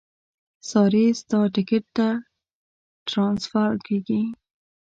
ساري ستا ټیکټ نه ټرانسفر کېږي.